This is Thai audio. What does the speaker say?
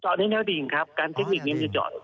จอดในแนวดิงอย่างนี้บ้างครับ